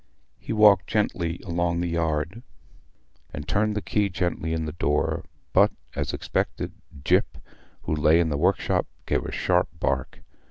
He walked gently along the yard, and turned the key gently in the door; but, as he expected, Gyp, who lay in the workshop, gave a sharp bark.